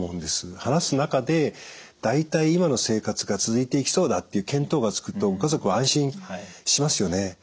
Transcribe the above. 話す中で大体今の生活が続いていきそうだっていう見当がつくと家族は安心しますよね。